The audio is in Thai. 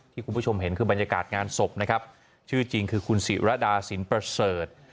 คุณผู้ชมเห็นคือบรรยากาศงานศพนะครับชื่อจริงคือคุณศิรดาสินประเสริฐ